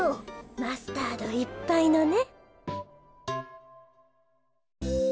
マスタードいっぱいのね。